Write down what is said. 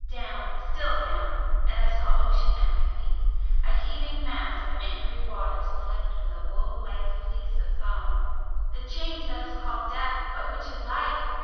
Down, still down! and I saw ocean at my feet! a heaving mass of angry waters flecked with a wool like fleece of foam! "The Change that is called Death, but which is Life!"